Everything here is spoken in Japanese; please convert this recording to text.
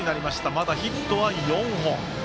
まだヒットは４本。